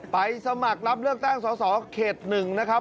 สมัครรับเลือกตั้งสอสอเขต๑นะครับ